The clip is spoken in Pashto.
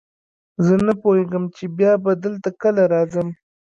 زه نه پوهېږم چې بیا به دلته کله راځم.